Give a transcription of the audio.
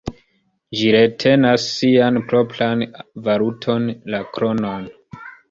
Ĝi retenas sian propran valuton, la kronon.